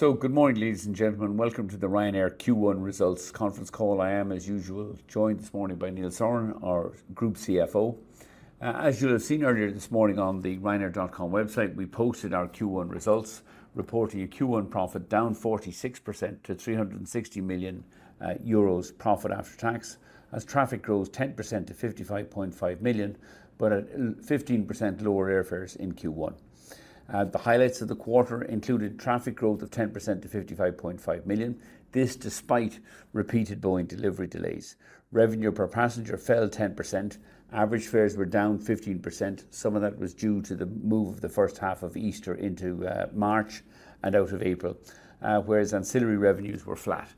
Good morning, ladies and gentlemen. Welcome to the Ryanair Q1 results conference call. I am, as usual, joined this morning by Neil Sorahan, our Group CFO. As you'll have seen earlier this morning on the ryanair.com website, we posted our Q1 results, reporting a Q1 profit down 46% to 360 million euros profit after tax, as traffic grows 10% to 55.5 million, but at 15% lower airfares in Q1. The highlights of the quarter included traffic growth of 10% to 55.5 million, this despite repeated Boeing delivery delays. Revenue per passenger fell 10%. Average fares were down 15%. Some of that was due to the move of the first half of Easter into March and out of April, whereas ancillary revenues were flat.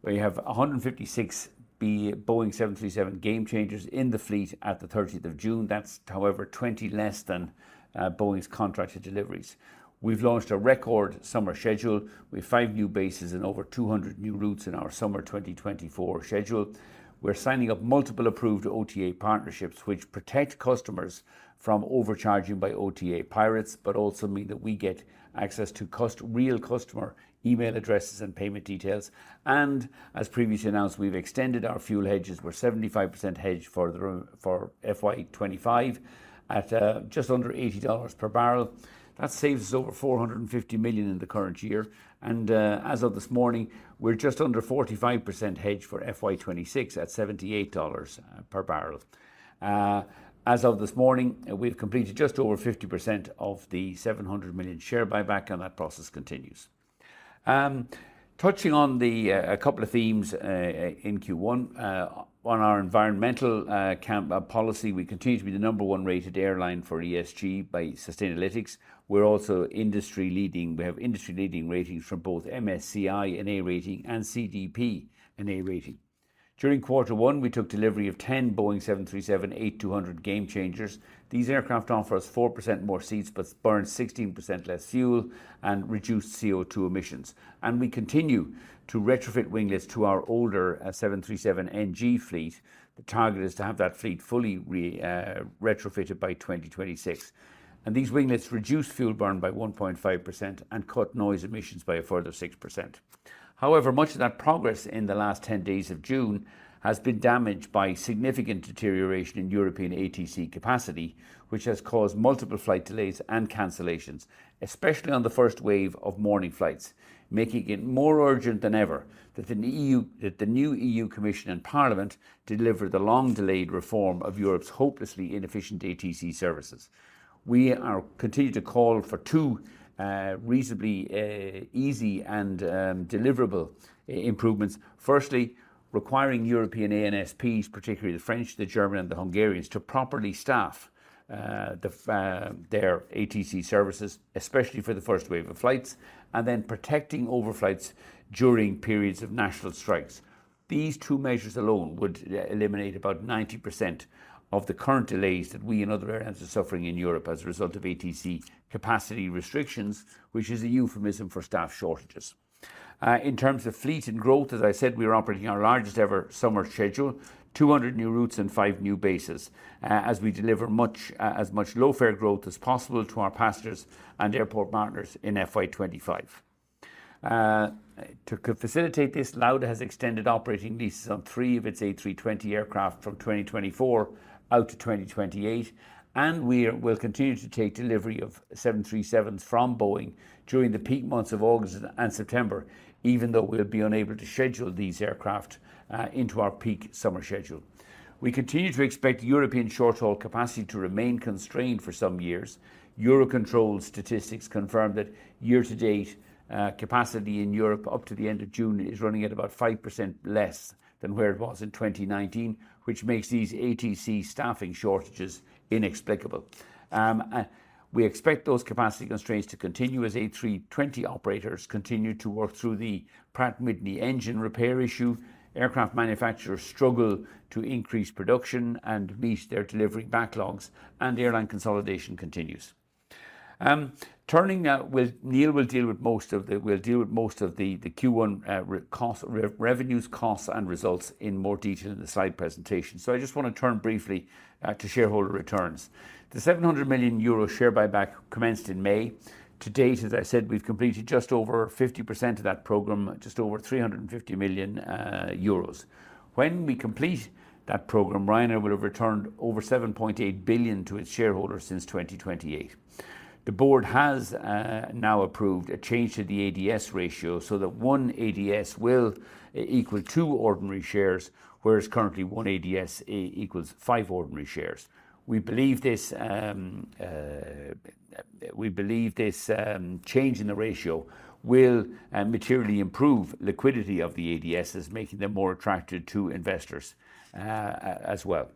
We have 156 Boeing 737 Gamechangers in the fleet at the 30th of June. That's, however, 20 less than Boeing's contracted deliveries. We've launched a record summer schedule. We have five new bases and over 200 new routes in our summer 2024 schedule. We're signing up multiple approved OTA partnerships, which protect customers from overcharging by OTA pirates, but also mean that we get access to real customer email addresses and payment details. And as previously announced, we've extended our fuel hedges, we're 75% hedged for FY 2025 at just under $80 per barrel. That saves us over $450 million in the current year. And as of this morning, we're just under 45% hedged for FY 2026 at $78 per barrel. As of this morning, we've completed just over 50% of the $700 million share buyback, and that process continues. Touching on a couple of themes in Q1, on our environmental commitment policy, we continue to be the number one rated airline for ESG by Sustainalytics. We're also industry leading. We have industry-leading ratings from both MSCI 'A' rating and CDP 'A' rating. During quarter one, we took delivery of 10 Boeing 737-8-200 Gamechangers. These aircraft offer us 4% more seats, but burn 16% less fuel and reduce CO₂ emissions. We continue to retrofit winglets to our older 737NG fleet. The target is to have that fleet fully retrofitted by 2026. These winglets reduce fuel burn by 1.5% and cut noise emissions by a further 6%. However, much of that progress in the last 10 days of June has been damaged by significant deterioration in European ATC capacity, which has caused multiple flight delays and cancellations, especially on the first wave of morning flights, making it more urgent than ever that the new EU Commission and Parliament deliver the long-delayed reform of Europe's hopelessly inefficient ATC services. We continue to call for two reasonably easy and deliverable improvements. Firstly, requiring European ANSPs, particularly the French, the German, and the Hungarians, to properly staff their ATC services, especially for the first wave of flights, and then protecting overflights during periods of national strikes. These two measures alone would eliminate about 90% of the current delays that we and other airlines are suffering in Europe as a result of ATC capacity restrictions, which is a euphemism for staff shortages. In terms of fleet and growth, as I said, we are operating our largest ever summer schedule, 200 new routes and five new bases, as we deliver as much low fare growth as possible to our passengers and airport partners in FY 2025. To facilitate this, Lauda has extended operating leases on three of its A320 aircraft from 2024 out to 2028, and we will continue to take delivery of 737s from Boeing during the peak months of August and September, even though we'll be unable to schedule these aircraft into our peak summer schedule. We continue to expect European short-haul capacity to remain constrained for some years. EUROCONTROL statistics confirm that year-to-date capacity in Europe up to the end of June is running at about 5% less than where it was in 2019, which makes these ATC staffing shortages inexplicable. We expect those capacity constraints to continue as A320 operators continue to work through the Pratt & Whitney engine repair issue. Aircraft manufacturers struggle to increase production and meet their delivery backlogs, and airline consolidation continues. Turning now, Neil will deal with most of the Q1 revenues, costs, and results in more detail in the slide presentation. So I just want to turn briefly to shareholder returns. The 700 million euro share buyback commenced in May. To date, as I said, we've completed just over 50% of that program, just over 350 million euros. When we complete that program, Ryanair will have returned over 7.8 billion to its shareholders since 2028. The board has now approved a change to the ADS ratio so that one ADS will equal two ordinary shares, whereas currently one ADS equals five ordinary shares. We believe this change in the ratio will materially improve liquidity of the ADSs, making them more attractive to investors as well.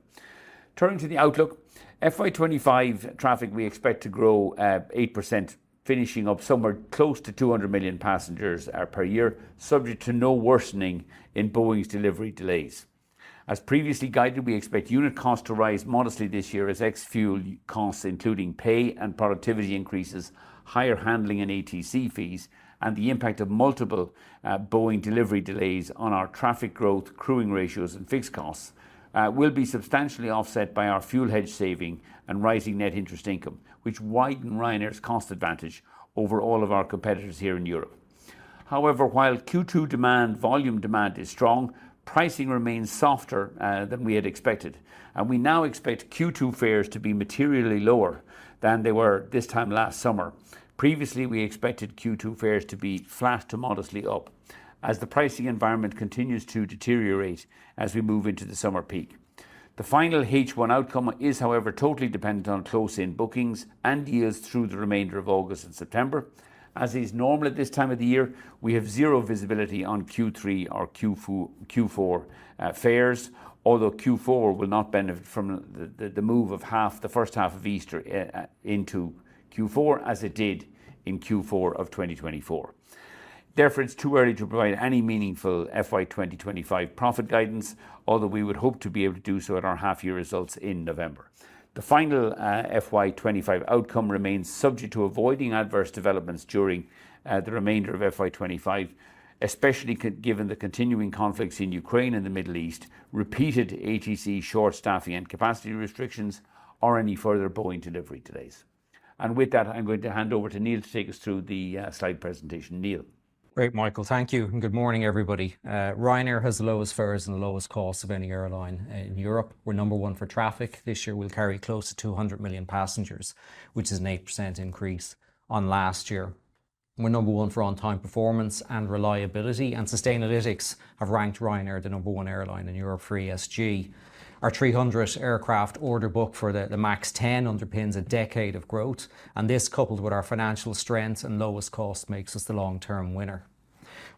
Turning to the outlook, FY 2025 traffic, we expect to grow 8%, finishing up somewhere close to 200 million passengers per year, subject to no worsening in Boeing's delivery delays. As previously guided, we expect unit costs to rise modestly this year as ex-fuel costs, including pay and productivity increases, higher handling and ATC fees, and the impact of multiple Boeing delivery delays on our traffic growth, crewing ratios, and fixed costs will be substantially offset by our fuel hedge saving and rising net interest income, which widen Ryanair's cost advantage over all of our competitors here in Europe. However, while Q2 demand, volume demand is strong, pricing remains softer than we had expected, and we now expect Q2 fares to be materially lower than they were this time last summer. Previously, we expected Q2 fares to be flat to modestly up as the pricing environment continues to deteriorate as we move into the summer peak. The final H1 outcome is, however, totally dependent on close-in bookings and yields through the remainder of August and September. As is normal at this time of the year, we have zero visibility on Q3 or Q4 fares, although Q4 will not benefit from the move of half, the first half of Easter into Q4, as it did in Q4 of 2024. Therefore, it's too early to provide any meaningful FY 2025 profit guidance, although we would hope to be able to do so at our half-year results in November. The final FY 2025 outcome remains subject to avoiding adverse developments during the remainder of FY 2025, especially given the continuing conflicts in Ukraine and the Middle East, repeated ATC short staffing, and capacity restrictions on any further Boeing delivery delays. With that, I'm going to hand over to Neil to take us through the slide presentation. Neil. Great, Michael. Thank you. Good morning, everybody. Ryanair has the lowest fares and the lowest costs of any airline in Europe. We're number one for traffic this year. We'll carry close to 200 million passengers, which is an 8% increase on last year. We're number one for on-time performance and reliability, and Sustainalytics have ranked Ryanair the number one airline in Europe for ESG. Our 300 aircraft order book for the MAX 10 underpins a decade of growth, and this, coupled with our financial strength and lowest cost, makes us the long-term winner.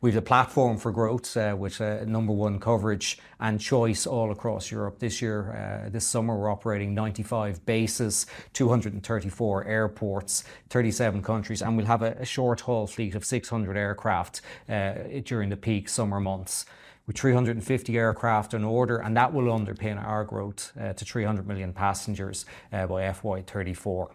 We have a platform for growth, which is number one coverage and choice all across Europe this year. This summer, we're operating 95 bases, 234 airports, 37 countries, and we'll have a short-haul fleet of 600 aircraft during the peak summer months with 350 aircraft on order, and that will underpin our growth to 300 million passengers by FY 2034.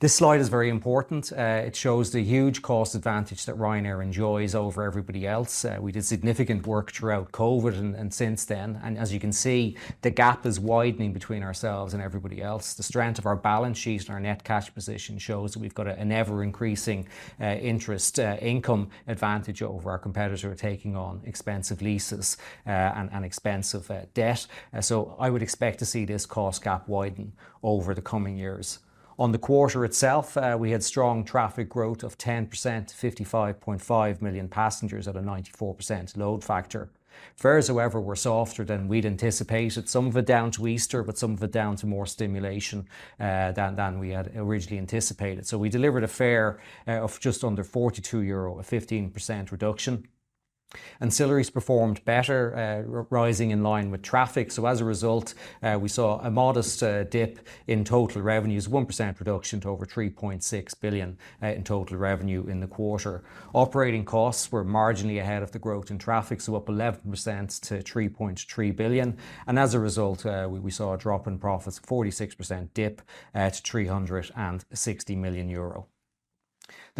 This slide is very important. It shows the huge cost advantage that Ryanair enjoys over everybody else. We did significant work throughout COVID and since then, and as you can see, the gap is widening between ourselves and everybody else. The strength of our balance sheets and our net cash position shows that we've got an ever-increasing interest income advantage over our competitor taking on expensive leases and expensive debt. So I would expect to see this cost gap widen over the coming years. On the quarter itself, we had strong traffic growth of 10% to 55.5 million passengers at a 94% load factor. Fares, however, were softer than we'd anticipated, some of it down to Easter, but some of it down to more stimulation than we had originally anticipated. So we delivered a fare of just under 42 euro, a 15% reduction. Ancillaries performed better, rising in line with traffic. So as a result, we saw a modest dip in total revenues, a 1% reduction to over 3.6 billion in total revenue in the quarter. Operating costs were marginally ahead of the growth in traffic, so up 11% to 3.3 billion. And as a result, we saw a drop in profits, a 46% dip to 360 million euro. The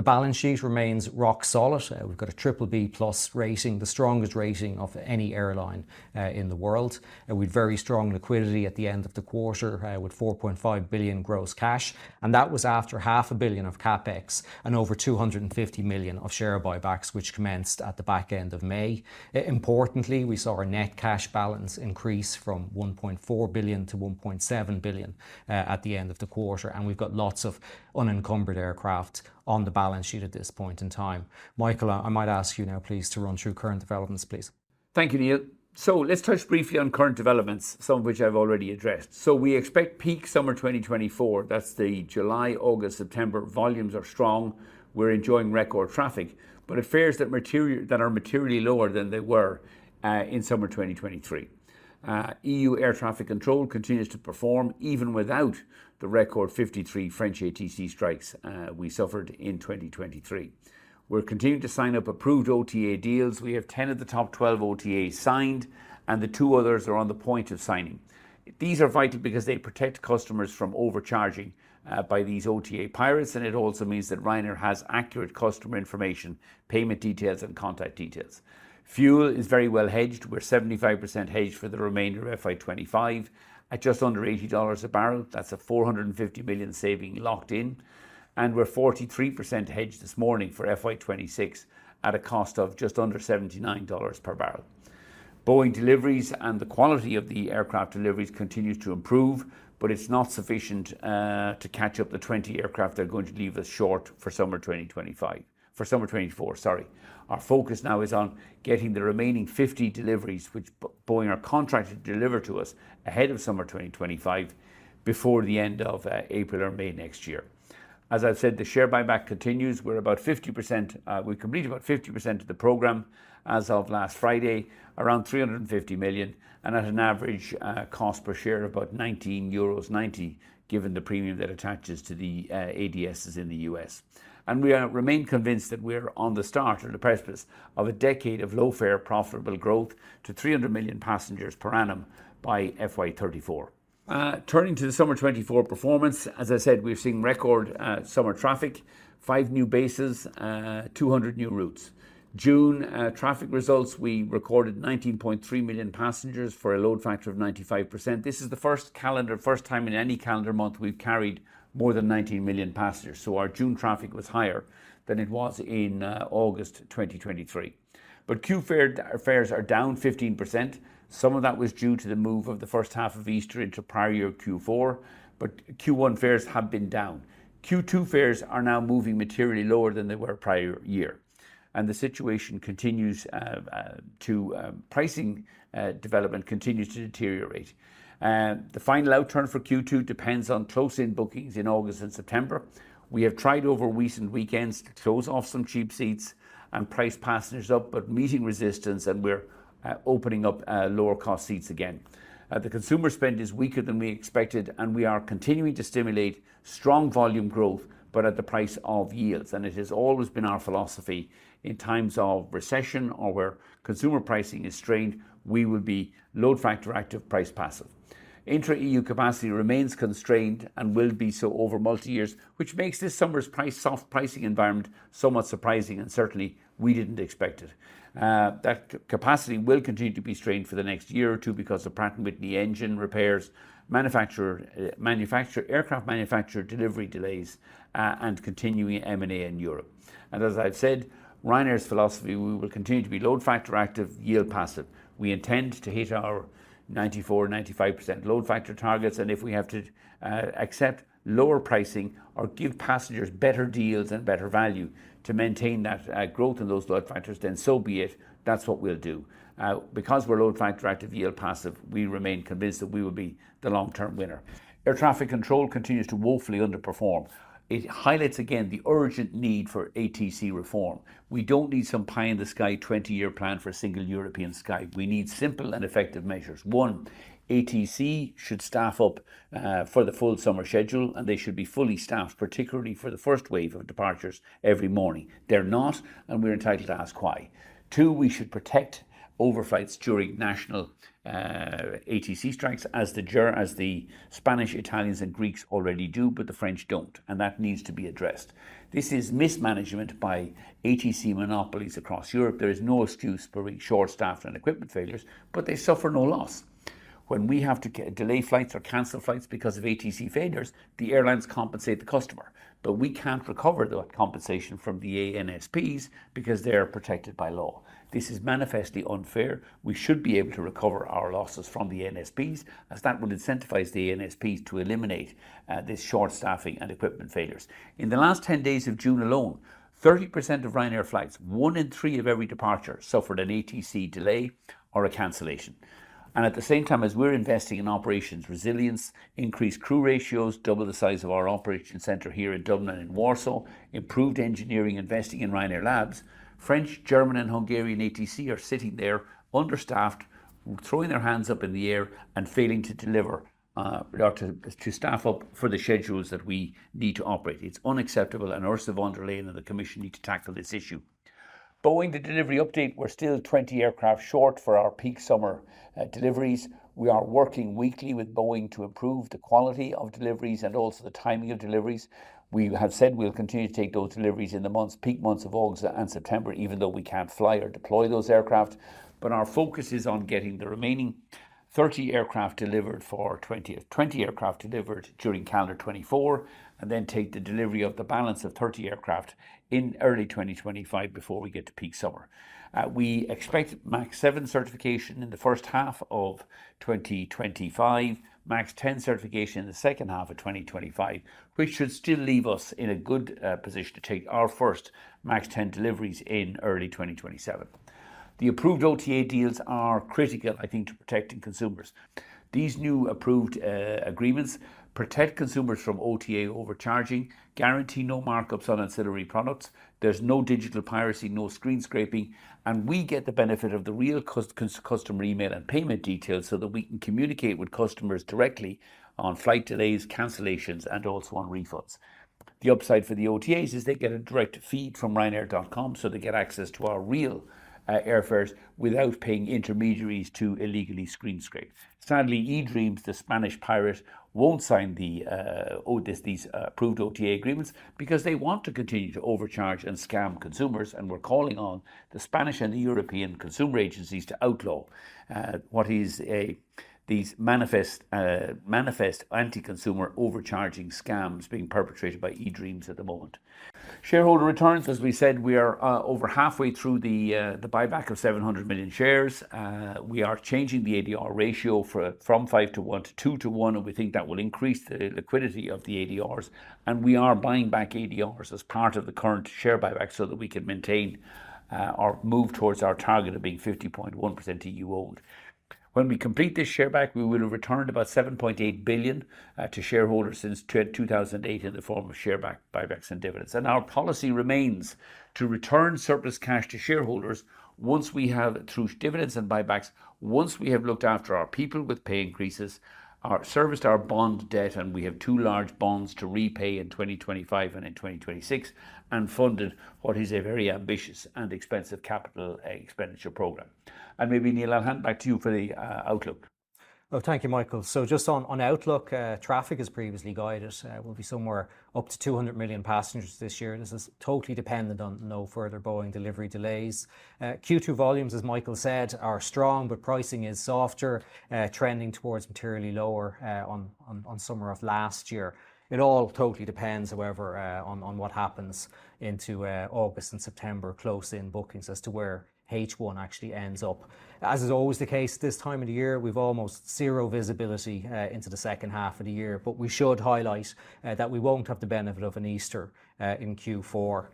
balance sheet remains rock solid. We've got a BBB+ rating, the strongest rating of any airline in the world. We had very strong liquidity at the end of the quarter with 4.5 billion gross cash, and that was after 0.5 billion of CapEx and over 250 million of share buybacks, which commenced at the back end of May. Importantly, we saw our net cash balance increase from 1.4 billion to 1.7 billion at the end of the quarter, and we've got lots of unencumbered aircraft on the balance sheet at this point in time. Michael, I might ask you now, please, to run through current developments, please. Thank you, Neil. So let's touch briefly on current developments, some of which I've already addressed. So we expect peak summer 2024, that's the July, August, September volumes are strong. We're enjoying record traffic, but the fares that are materially lower than they were in summer 2023. EU Air Traffic Control continues to perform even without the record 53 French ATC strikes we suffered in 2023. We're continuing to sign up approved OTA deals. We have 10 of the top 12 OTAs signed, and the two others are on the point of signing. These are vital because they protect customers from overcharging by these OTA pirates, and it also means that Ryanair has accurate customer information, payment details, and contact details. Fuel is very well hedged. We're 75% hedged for the remainder of FY 2025 at just under $80 a barrel. That's a $450 million saving locked in. We're 43% hedged this morning for FY 2026 at a cost of just under $79 per barrel. Boeing deliveries and the quality of the aircraft deliveries continues to improve, but it's not sufficient to catch up the 20 aircraft that are going to leave us short for summer 2025, for summer 2024, sorry. Our focus now is on getting the remaining 50 deliveries, which Boeing are contracted to deliver to us ahead of summer 2025, before the end of April or May next year. As I've said, the share buyback continues. We're about 50%. We completed about 50% of the program as of last Friday, around 350 million, and at an average cost per share of about 19.90 euros, given the premium that attaches to the ADSs in the U.S. We remain convinced that we're on the start and the precipice of a decade of low fare profitable growth to 300 million passengers per annum by FY 2034. Turning to the summer 2024 performance, as I said, we've seen record summer traffic, five new bases, 200 new routes. June traffic results, we recorded 19.3 million passengers for a load factor of 95%. This is the first time in any calendar month we've carried more than 19 million passengers. Our June traffic was higher than it was in August 2023. Q1 fares are down 15%. Some of that was due to the move of the first half of Easter into prior year Q4, but Q1 fares have been down. Q2 fares are now moving materially lower than they were prior year. And the situation continues to, pricing development continues to deteriorate. The final outturn for Q2 depends on close-in bookings in August and September. We have tried over recent weekends to close off some cheap seats and price passengers up, but meeting resistance, and we're opening up lower cost seats again. The consumer spend is weaker than we expected, and we are continuing to stimulate strong volume growth, but at the price of yields. It has always been our philosophy in times of recession or where consumer pricing is strained, we will be load factor active price passive. Inter-EU capacity remains constrained and will be so over multi-years, which makes this summer's price soft pricing environment so much surprising, and certainly we didn't expect it. That capacity will continue to be strained for the next year or two because of Pratt & Whitney engine repairs, manufacturer aircraft manufacturer delivery delays, and continuing M&A in Europe. As I've said, Ryanair's philosophy, we will continue to be load factor active, yield passive. We intend to hit our 94%-95% load factor targets, and if we have to accept lower pricing or give passengers better deals and better value to maintain that growth in those load factors, then so be it. That's what we'll do. Because we're load factor active, yield passive, we remain convinced that we will be the long-term winner. Air Traffic Control continues to woefully underperform. It highlights again the urgent need for ATC reform. We don't need some pie-in-the-sky 20-year plan for a single European sky. We need simple and effective measures. One, ATC should staff up for the full summer schedule, and they should be fully staffed, particularly for the first wave of departures every morning. They're not, and we're entitled to ask why. Two, we should protect overflights during national ATC strikes, as the Spanish, Italians, and Greeks already do, but the French don't, and that needs to be addressed. This is mismanagement by ATC monopolies across Europe. There is no excuse for short-staffed and equipment failures, but they suffer no loss. When we have to delay flights or cancel flights because of ATC failures, the airlines compensate the customer, but we can't recover that compensation from the ANSPs because they are protected by law. This is manifestly unfair. We should be able to recover our losses from the ANSPs, as that will incentivize the ANSPs to eliminate this short-staffing and equipment failures. In the last 10 days of June alone, 30% of Ryanair flights, 1 in 3 of every departure, suffered an ATC delay or a cancellation. At the same time as we're investing in operations resilience, increased crew ratios, double the size of our operations center here in Dublin and in Warsaw, improved engineering, investing in Ryanair Labs, French, German, and Hungarian ATC are sitting there understaffed, throwing their hands up in the air and failing to deliver or to staff up for the schedules that we need to operate. It's unacceptable, and Ursula von der Leyen and the Commission need to tackle this issue. Boeing, the delivery update, we're still 20 aircraft short for our peak summer deliveries. We are working weekly with Boeing to improve the quality of deliveries and also the timing of deliveries. We have said we'll continue to take those deliveries in the months, peak months of August and September, even though we can't fly or deploy those aircraft. But our focus is on getting the remaining 30 aircraft delivered for our 20th, 20 aircraft delivered during calendar 2024, and then take the delivery of the balance of 30 aircraft in early 2025 before we get to peak summer. We expect MAX 7 certification in the first half of 2025, MAX 10 certification in the second half of 2025, which should still leave us in a good position to take our first MAX 10 deliveries in early 2027. The approved OTA deals are critical, I think, to protecting consumers. These new approved agreements protect consumers from OTA overcharging, guarantee no markups on ancillary products. There's no digital piracy, no screen scraping, and we get the benefit of the real customer email and payment details so that we can communicate with customers directly on flight delays, cancellations, and also on refunds. The upside for the OTAs is they get a direct feed from Ryanair.com so they get access to our real airfares without paying intermediaries to illegally screen scrape. Sadly, eDreams, the Spanish pirate, won't sign these approved OTA agreements because they want to continue to overcharge and scam consumers, and we're calling on the Spanish and the European consumer agencies to outlaw what is these manifest anti-consumer overcharging scams being perpetrated by eDreams at the moment. Shareholder returns, as we said, we are over halfway through the buyback of 700 million shares. We are changing the ADR ratio from 5:1 to 2:1, and we think that will increase the liquidity of the ADRs, and we are buying back ADRs as part of the current share buyback so that we can maintain our move towards our target of being 50.1% EU owned. When we complete this share buyback, we will have returned about 7.8 billion to shareholders since 2008 in the form of share buybacks and dividends. Our policy remains to return surplus cash to shareholders once we have, through dividends and buybacks, once we have looked after our people with pay increases, serviced our bond debt, and we have two large bonds to repay in 2025 and in 2026, and funded what is a very ambitious and expensive capital expenditure program. Maybe, Neil, I'll hand back to you for the outlook. Well, thank you, Michael. So just on outlook, traffic has previously guided us. We'll be somewhere up to 200 million passengers this year, and this is totally dependent on no further Boeing delivery delays. Q2 volumes, as Michael said, are strong, but pricing is softer, trending towards materially lower on summer of last year. It all totally depends, however, on what happens into August and September, close-in bookings as to where H1 actually ends up. As is always the case this time of the year, we've almost zero visibility into the second half of the year, but we should highlight that we won't have the benefit of an Easter in Q4.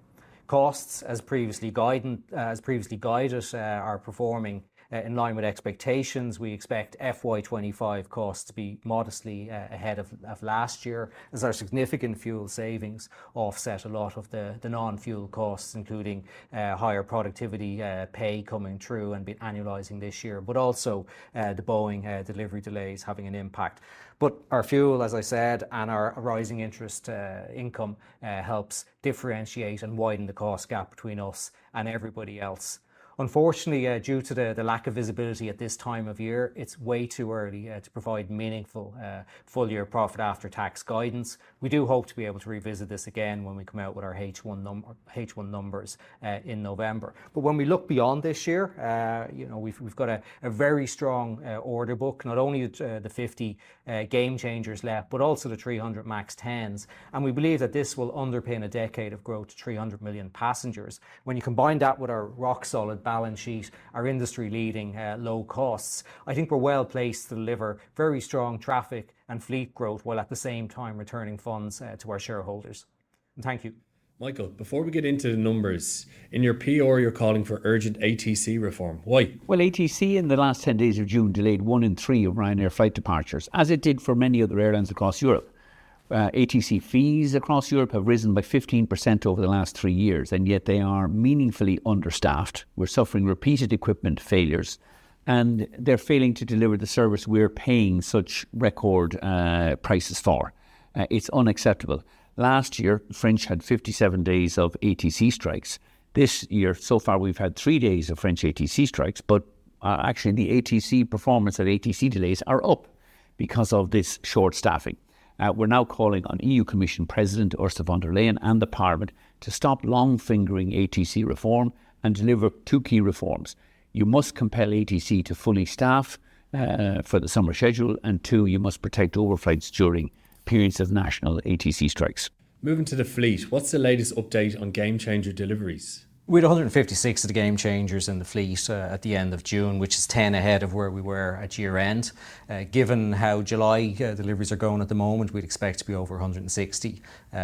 Costs, as previously guided, are performing in line with expectations. We expect FY 2025 costs to be modestly ahead of last year as our significant fuel savings offset a lot of the non-fuel costs, including higher productivity pay coming true and annualizing this year, but also the Boeing delivery delays having an impact. But our fuel, as I said, and our rising interest income helps differentiate and widen the cost gap between us and everybody else. Unfortunately, due to the lack of visibility at this time of year, it's way too early to provide meaningful full-year profit after tax guidance. We do hope to be able to revisit this again when we come out with our H1 numbers in November. But when we look beyond this year, we've got a very strong order book, not only the 50 Gamechangers left, but also the 300 MAX 10s. And we believe that this will underpin a decade of growth to 300 million passengers. When you combine that with our rock-solid balance sheet, our industry-leading low costs, I think we're well placed to deliver very strong traffic and fleet growth while at the same time returning funds to our shareholders. And thank you. Michael, before we get into the numbers, in your PR, you're calling for urgent ATC reform. Why? Well, ATC in the last 10 days of June delayed 1 in 3 of Ryanair flight departures, as it did for many other airlines across Europe. ATC fees across Europe have risen by 15% over the last 3 years, and yet they are meaningfully understaffed. We're suffering repeated equipment failures, and they're failing to deliver the service we're paying such record prices for. It's unacceptable. Last year, the French had 57 days of ATC strikes. This year, so far, we've had 3 days of French ATC strikes, but actually the ATC performance and ATC delays are up because of this short staffing. We're now calling on EU Commission President Ursula von der Leyen and the Parliament to stop long-fingering ATC reform and deliver 2 key reforms. You must compel ATC to fully staff for the summer schedule, and 2, you must protect overflights during periods of national ATC strikes. Moving to the fleet, what's the latest update on Gamechanger deliveries? We had 156 of the Gamechangers in the fleet at the end of June, which is 10 ahead of where we were at year-end. Given how July deliveries are going at the moment, we'd expect to be over 160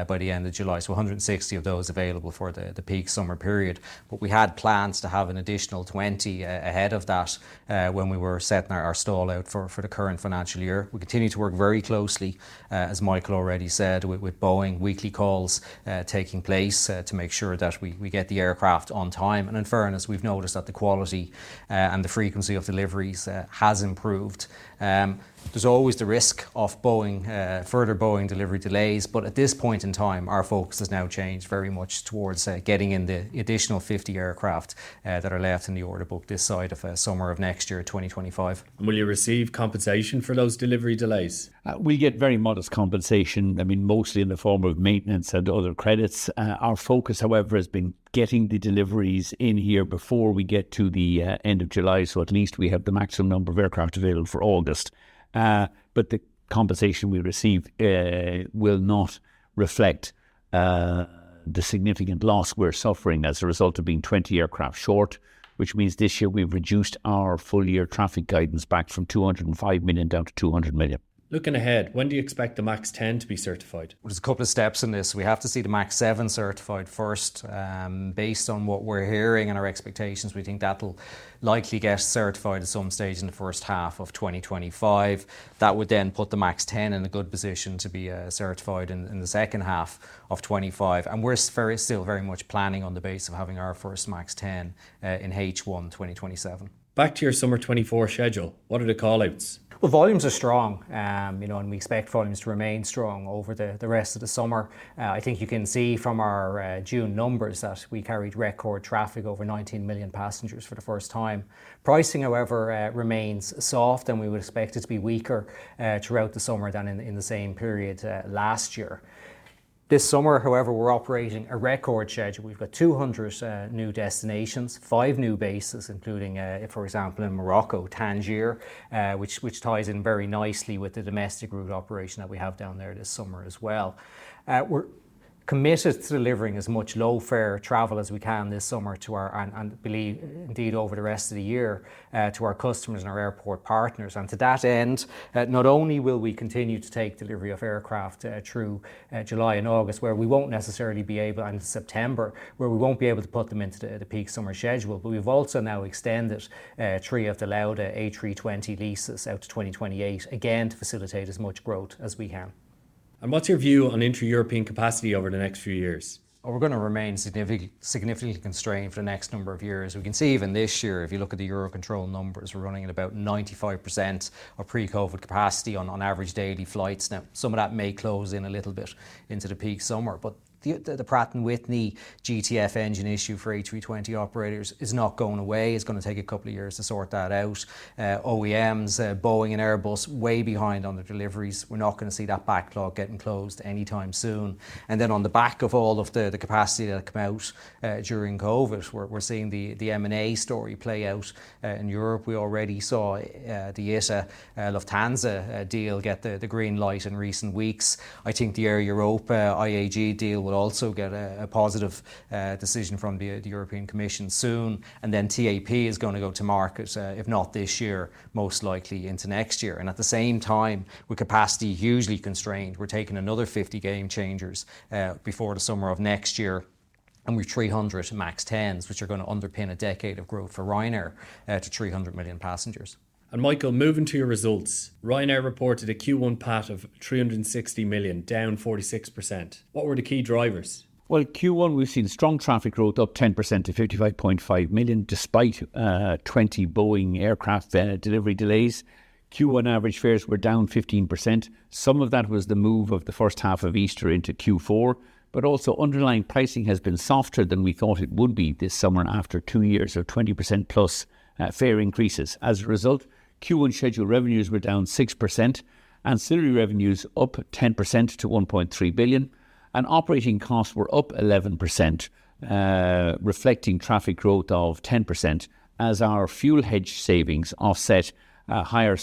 by the end of July. So 160 of those available for the peak summer period. But we had plans to have an additional 20 ahead of that when we were setting our stall out for the current financial year. We continue to work very closely, as Michael already said, with Boeing weekly calls taking place to make sure that we get the aircraft on time. And in fairness, we've noticed that the quality and the frequency of deliveries has improved. There's always the risk of further Boeing delivery delays, but at this point in time, our focus has now changed very much towards getting in the additional 50 aircraft that are left in the order book this side of summer of next year, 2025. Will you receive compensation for those delivery delays? We get very modest compensation, I mean, mostly in the form of maintenance and other credits. Our focus, however, has been getting the deliveries in here before we get to the end of July, so at least we have the maximum number of aircraft available for August. But the compensation we receive will not reflect the significant loss we're suffering as a result of being 20 aircraft short, which means this year we've reduced our full-year traffic guidance back from 205 million down to 200 million. Looking ahead, when do you expect the MAX 10 to be certified? There's a couple of steps in this. We have to see the MAX 7 certified first. Based on what we're hearing and our expectations, we think that'll likely get certified at some stage in the first half of 2025. That would then put the MAX 10 in a good position to be certified in the second half of 2025. And we're still very much planning on the basis of having our first MAX 10 in H1 2027. Back to your summer 2024 schedule. What are the callouts? Well, volumes are strong, and we expect volumes to remain strong over the rest of the summer. I think you can see from our June numbers that we carried record traffic over 19 million passengers for the first time. Pricing, however, remains soft, and we would expect it to be weaker throughout the summer than in the same period last year. This summer, however, we're operating a record schedule. We've got 200 new destinations, five new bases, including, for example, in Morocco, Tangier, which ties in very nicely with the domestic route operation that we have down there this summer as well. We're committed to delivering as much low-fare travel as we can this summer to our, and believe indeed over the rest of the year, to our customers and our airport partners. To that end, not only will we continue to take delivery of aircraft through July and August, where we won't necessarily be able, and September, where we won't be able to put them into the peak summer schedule, but we've also now extended three of the Lauda A320 leases out to 2028, again to facilitate as much growth as we can. What's your view on inter-European capacity over the next few years? We're going to remain significantly constrained for the next number of years. We can see even this year, if you look at the EUROCONTROL numbers, we're running at about 95% of pre-COVID capacity on average daily flights. Now, some of that may close in a little bit into the peak summer, but the Pratt & Whitney GTF engine issue for A320 operators is not going away. It's going to take a couple of years to sort that out. OEMs, Boeing and Airbus, way behind on the deliveries. We're not going to see that backlog getting closed anytime soon. And then on the back of all of the capacity that came out during COVID, we're seeing the M&A story play out in Europe. We already saw the ITA-Lufthansa deal get the green light in recent weeks. I think the Air Europa IAG deal will also get a positive decision from the European Commission soon. And then TAP is going to go to market, if not this year, most likely into next year. And at the same time, with capacity hugely constrained, we're taking another 50 Gamechangers before the summer of next year, and we've 300 MAX 10s, which are going to underpin a decade of growth for Ryanair to 300 million passengers. Michael, moving to your results, Ryanair reported a Q1 PAT of 360 million, down 46%. What were the key drivers? Well, Q1, we've seen strong traffic growth, up 10% to 55.5 million despite 20 Boeing aircraft delivery delays. Q1 average fares were down 15%. Some of that was the move of the first half of Easter into Q4, but also underlying pricing has been softer than we thought it would be this summer after two years of 20%+ fare increases. As a result, Q1 schedule revenues were down 6%, ancillary revenues up 10% to 1.3 billion, and operating costs were up 11%, reflecting traffic growth of 10% as our fuel hedge savings offset higher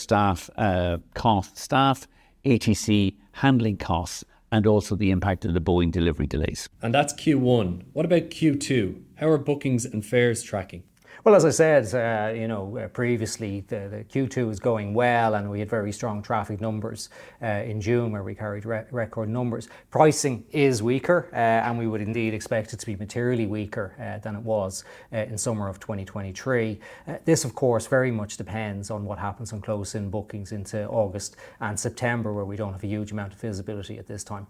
cost staff, ATC handling costs, and also the impact of the Boeing delivery delays. That's Q1. What about Q2? How are bookings and fares tracking? Well, as I said, previously, Q2 was going well, and we had very strong traffic numbers in June where we carried record numbers. Pricing is weaker, and we would indeed expect it to be materially weaker than it was in summer of 2023. This, of course, very much depends on what happens on close-in bookings into August and September, where we don't have a huge amount of visibility at this time.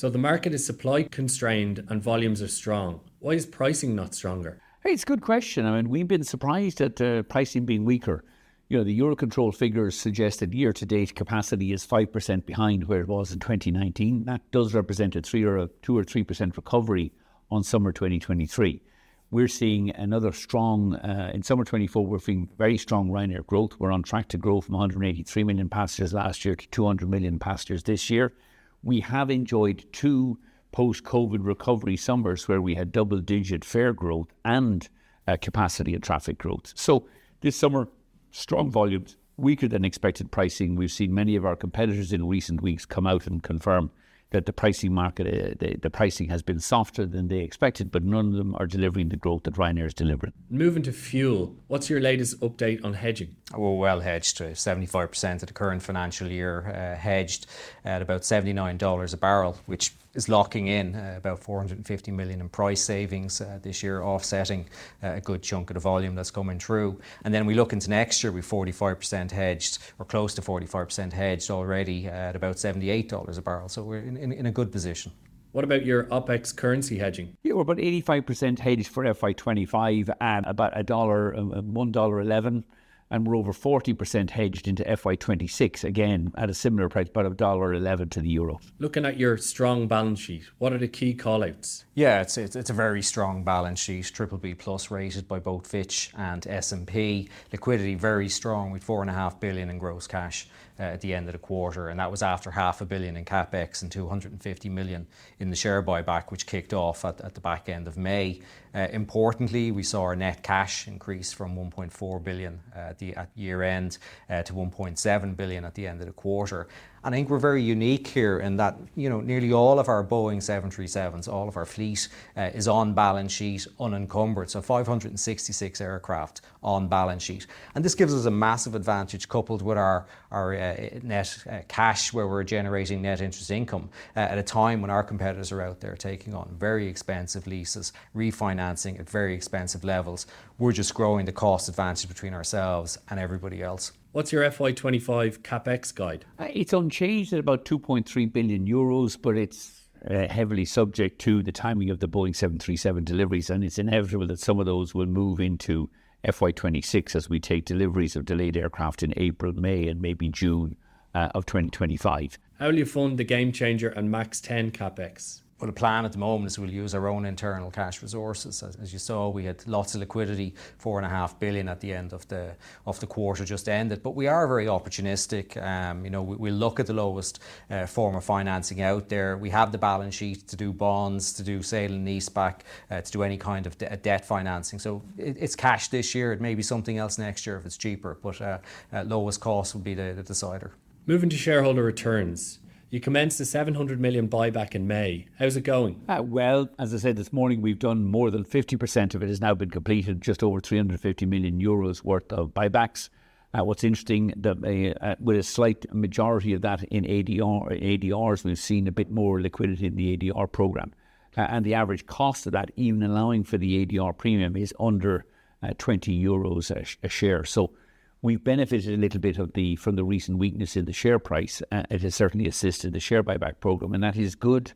The market is supply constrained, and volumes are strong. Why is pricing not stronger? It's a good question. I mean, we've been surprised at pricing being weaker. The EUROCONTROL figures suggest that year-to-date capacity is 5% behind where it was in 2019. That does represent a 2% recovery on summer 2023. We're seeing another strong, in summer 2024, we're seeing very strong Ryanair growth. We're on track to grow from 183 million passengers last year to 200 million passengers this year. We have enjoyed two post-COVID recovery summers where we had double-digit fare growth and capacity and traffic growth. So this summer, strong volumes, weaker than expected pricing. We've seen many of our competitors in recent weeks come out and confirm that the pricing market, the pricing has been softer than they expected, but none of them are delivering the growth that Ryanair is delivering. Moving to fuel, what's your latest update on hedging? We're well hedged to 75% at the current financial year, hedged at about $79 a barrel, which is locking in about 450 million in price savings this year, offsetting a good chunk of the volume that's coming through. Then we look into next year, we're 45% hedged, or close to 45% hedged already at about $78 a barrel. We're in a good position. What about your OpEx currency hedging? Yeah, we're about 85% hedged for FY 2025 at about $1.11, and we're over 40% hedged into FY 2026, again at a similar price, about $1.11 to the euro. Looking at your strong balance sheet, what are the key callouts? Yeah, it's a very strong balance sheet, BBB+ rated by both Fitch and S&P. Liquidity very strong with 4.5 billion in gross cash at the end of the quarter. And that was after 500 million in CapEx and 250 million in the share buyback, which kicked off at the back end of May. Importantly, we saw our net cash increase from 1.4 billion at year-end to 1.7 billion at the end of the quarter. And I think we're very unique here in that nearly all of our Boeing 737s, all of our fleet is on balance sheet, unencumbered. So 566 aircraft on balance sheet. And this gives us a massive advantage coupled with our net cash where we're generating net interest income at a time when our competitors are out there taking on very expensive leases, refinancing at very expensive levels. We're just growing the cost advantage between ourselves and everybody else. What's your FY 2025 CapEx guide? It's unchanged at about 2.3 billion euros, but it's heavily subject to the timing of the Boeing 737 deliveries, and it's inevitable that some of those will move into FY 2026 as we take deliveries of delayed aircraft in April, May, and maybe June of 2025. How will you fund the Gamechanger and MAX 10 CapEx? Well, the plan at the moment is we'll use our own internal cash resources. As you saw, we had lots of liquidity, 4.5 billion at the end of the quarter just ended. But we are very opportunistic. We look at the lowest form of financing out there. We have the balance sheet to do bonds, to do sale and leaseback, to do any kind of debt financing. So it's cash this year. It may be something else next year if it's cheaper, but lowest cost would be the decider. Moving to shareholder returns. You commenced a 700 million buyback in May. How's it going? Well, as I said this morning, we've done more than 50% of it has now been completed, just over 350 million euros worth of buybacks. What's interesting, with a slight majority of that in ADRs, we've seen a bit more liquidity in the ADR program. And the average cost of that, even allowing for the ADR premium, is under 20 euros a share. So we've benefited a little bit from the recent weakness in the share price. It has certainly assisted the share buyback program, and that is good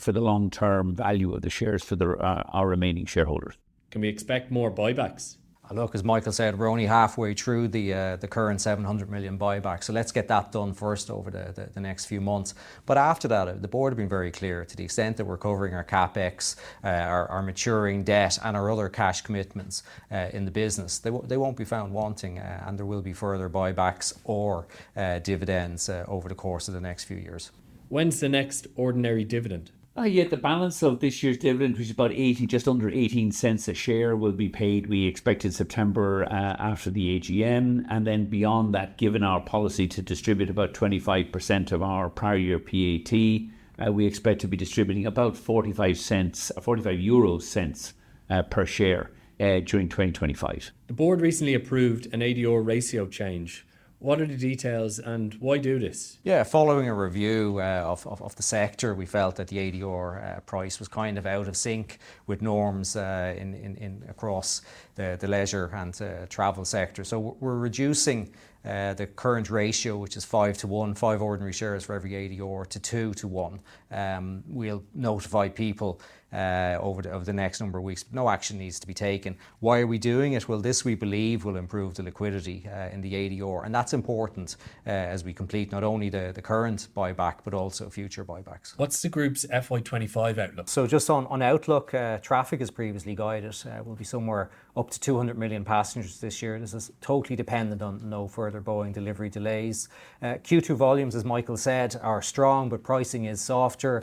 for the long-term value of the shares for our remaining shareholders. Can we expect more buybacks? Look, as Michael said, we're only halfway through the current 700 million buyback. So let's get that done first over the next few months. But after that, the board have been very clear to the extent that we're covering our CapEx, our maturing debt, and our other cash commitments in the business. They won't be found wanting, and there will be further buybacks or dividends over the course of the next few years. When's the next ordinary dividend? Yeah, the balance of this year's dividend, which is about 0.18, just under 0.18 per share, will be paid, we expect in September after the AGM. And then beyond that, given our policy to distribute about 25% of our prior year PAT, we expect to be distributing about 0.45 per share during 2025. The board recently approved an ADR ratio change. What are the details and why do this? Yeah, following a review of the sector, we felt that the ADR price was kind of out of sync with norms across the leisure and travel sector. So we're reducing the current ratio, which is 5:1, 5 ordinary shares for every ADR to 2:1. We'll notify people over the next number of weeks. No action needs to be taken. Why are we doing it? Well, this, we believe, will improve the liquidity in the ADR. And that's important as we complete not only the current buyback, but also future buybacks. What's the group's FY 2025 outlook? So just on outlook, traffic is previously guided. We'll be somewhere up to 200 million passengers this year. This is totally dependent on no further Boeing delivery delays. Q2 volumes, as Michael said, are strong, but pricing is softer,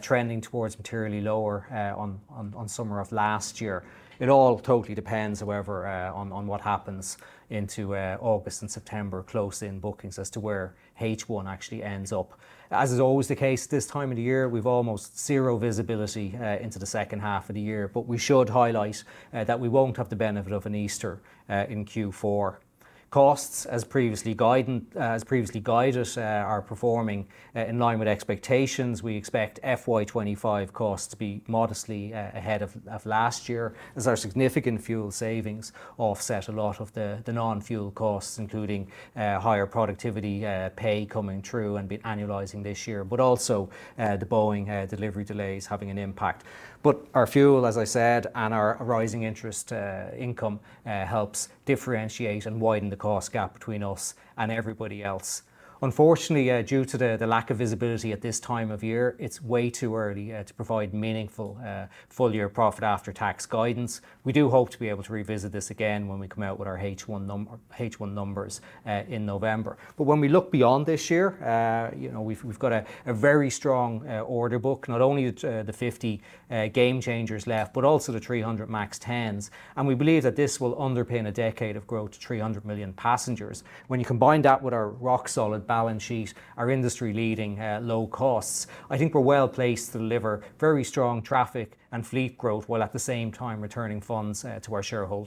trending towards materially lower on summer of last year. It all totally depends, however, on what happens into August and September, close-in bookings as to where H1 actually ends up. As is always the case this time of the year, we've almost zero visibility into the second half of the year, but we should highlight that we won't have the benefit of an Easter in Q4. Costs, as previously guided, are performing in line with expectations. We expect FY 2025 costs to be modestly ahead of last year as our significant fuel savings offset a lot of the non-fuel costs, including higher productivity pay coming through and annualizing this year, but also the Boeing delivery delays having an impact. But our fuel, as I said, and our rising interest income helps differentiate and widen the cost gap between us and everybody else. Unfortunately, due to the lack of visibility at this time of year, it's way too early to provide meaningful full-year profit after-tax guidance. We do hope to be able to revisit this again when we come out with our H1 numbers in November. But when we look beyond this year, we've got a very strong order book, not only the 50 Gamechangers left, but also the 300 MAX 10s. And we believe that this will underpin a decade of growth to 300 million passengers. When you combine that with our rock-solid balance sheet, our industry-leading low costs, I think we're well placed to deliver very strong traffic and fleet growth while at the same time returning funds to our shareholders.